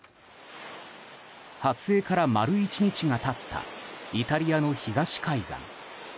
発生から丸１日が経ったイタリアの東海岸。